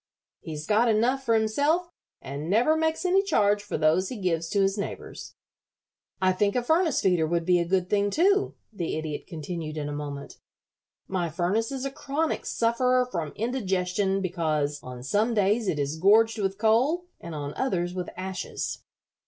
He's got enough for himself, and never makes any charge for those he gives to his neighbors." "I think a furnace feeder would be a good thing, too," the Idiot continued, in a moment. "My furnace is a chronic sufferer from indigestion because on some days it is gorged with coal and on others with ashes.